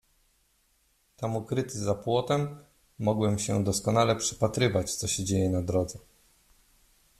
"Tam ukryty za płotem mogłem się doskonale przypatrywać, co się dzieje na drodze."